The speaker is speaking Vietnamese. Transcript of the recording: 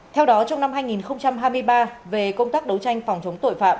theo đó trong năm hai nghìn hai mươi ba về công tác đấu tranh phòng chống tội phạm